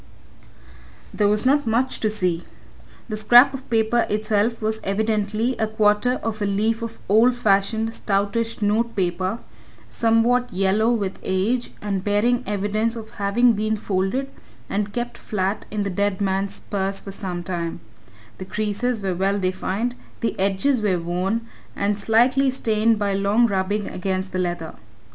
There was not much to see. The scrap of paper itself was evidently a quarter of a leaf of old fashioned, stoutish notepaper, somewhat yellow with age, and bearing evidence of having been folded and kept flat in the dead man's purse for some time the creases were well defined, the edges were worn and slightly stained by long rubbing against the leather.